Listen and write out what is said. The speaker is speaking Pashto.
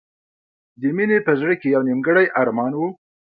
د مینې په زړه کې یو نیمګړی ارمان و